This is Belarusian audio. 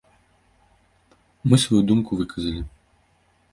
Мы сваю думку выказалі.